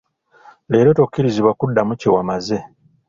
Leero tokkirizibwa kuddamu kye wamaze.